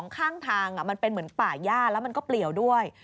ข้างทางมันเป็นเหมือนป่าย่าแล้วมันก็เปลี่ยวด้วย